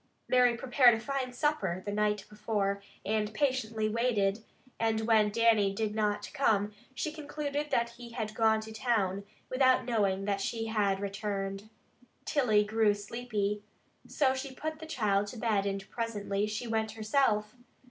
Mary prepared a fine supper the night before, and patiently waited, and when Dannie did not come, she concluded that he had gone to town, without knowing that she had returned. Tilly grew sleepy, so she put the child to bed, and presently she went herself.